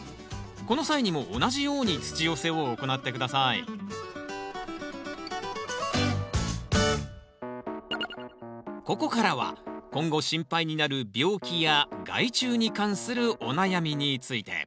この際にも同じように土寄せを行って下さいここからは今後心配になる病気や害虫に関するお悩みについて。